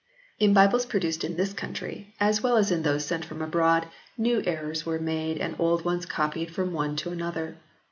In Bibles also produced in this country as well as in those sent from abroad new errors were made and old ones copied from one to another.